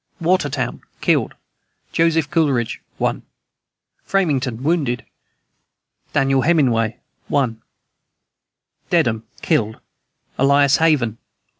WATERTOWN. Killed: Joseph Coolidge, 1. FRAMINGHAM. Wounded: Daniel Heminway, 1. DEDHAM. Killed: Elias Haven, 1.